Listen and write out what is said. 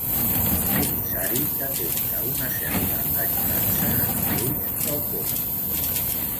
El comissari detecta una certa enyorança en els ulls del Comas.